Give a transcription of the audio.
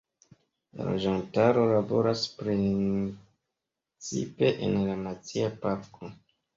La loĝantaro laboras precipe en la nacia parko.